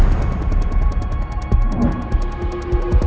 putri itu kan udah meninggal